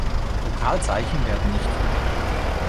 Vokalzeichen werden nicht verwendet.